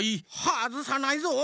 はずさないぞ！